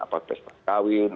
apakah pesawat kawin